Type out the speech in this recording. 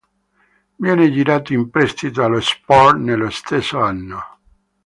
Viene girato in prestito allo Sport nello stesso anno.